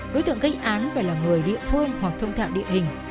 đối tượng gây án phải là người địa phương hoặc thông thạo địa hình